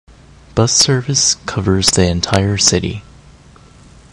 Bus service covers the entire city.